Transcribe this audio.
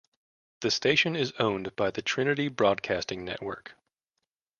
The station is owned by the Trinity Broadcasting Network.